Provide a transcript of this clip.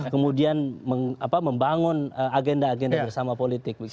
kemudian membangun agenda agenda bersama politik